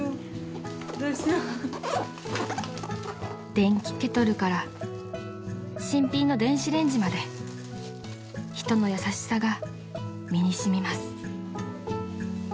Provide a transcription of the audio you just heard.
［電気ケトルから新品の電子レンジまで人の優しさが身に染みます］